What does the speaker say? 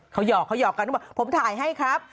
เขาหยอกกันผมถ่ายให้ครับ